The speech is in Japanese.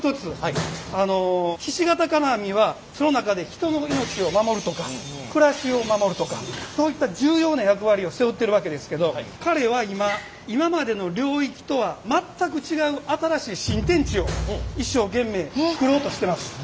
ひし形金網はその中で人の命を守るとか暮らしを守るとかそういった重要な役割を背負ってるわけですけど彼は今今までの領域とは全く違う新しい新天地を一生懸命作ろうとしてます。